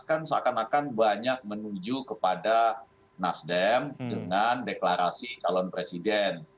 kan seakan akan banyak menuju kepada nasdem dengan deklarasi calon presiden